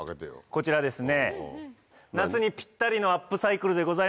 こちらですね夏にぴったりのアップサイクルでございます。